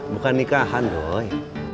bukan nikahan doi